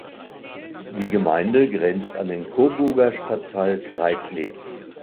Die Gemeinde grenzt an den Coburger Stadtteil Creidlitz.